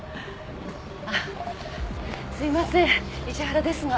あっすいません石原ですが。